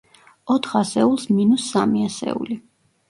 ოთხ ასეულს მინუს სამი ასეული.